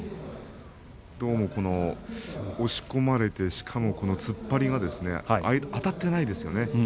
どうも押し込まれて、しかも突っ張りがあたってないですね。